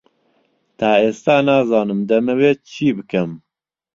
تا ئێستا نازانم دەمەوێت چی بکەم.